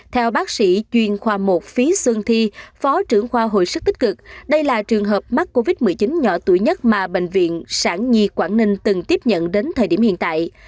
theo bác sĩ chuyên khoa một phí xương thi phó trưởng khoa hồi sức tích cực đây là trường hợp mắc covid một mươi chín nhỏ tuổi nhất mà bệnh viện sản nhi quảng ninh từng tiếp nhận đến thời điểm hiện tại